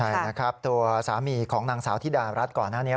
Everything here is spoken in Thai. ใช่นะครับตัวสามีของนางสาวธิดารัฐก่อนหน้านี้